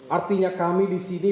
artinya kami disini